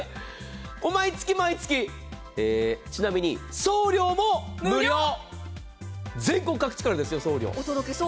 毎月、毎月、ちなみに送料も無料、全国各地からですよ、送料。